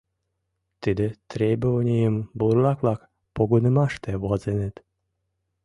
Тиде требованийым бурлак-влак погынымаште возеныт.